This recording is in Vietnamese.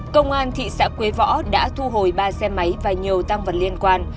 công an thị xã quế võ đã thu hồi ba xe máy và nhiều tăng vật liên quan